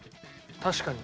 確かに。